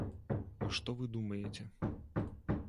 А што вы думаеце.